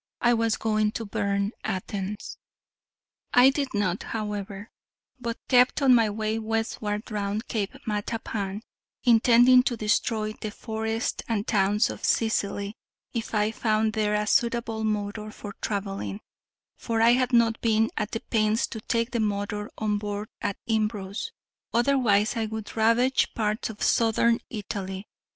I was going to burn Athens. I did not, however: but kept on my way westward round Cape Matapan, intending to destroy the forests and towns of Sicily, if I found there a suitable motor for travelling, for I had not been at the pains to take the motor on board at Imbros; otherwise I would ravage parts of southern Italy.